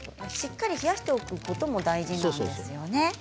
しっかり冷やしておくことも大事なんですよね。